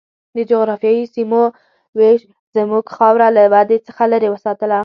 د جغرافیایي سیمو وېش زموږ خاوره له ودې څخه لرې وساتله.